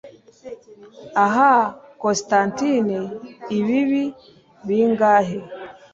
Ah Constantine ibibi bingahe